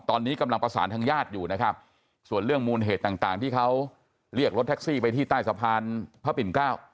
ตอนนี้กำลังประสานทางญาติอยู่นะครับส่วนเรื่องมูลเหตุต่างที่เขาเรียกรถแท็กซี่ไปที่ใต้สะพานพระปิ่นเกล้า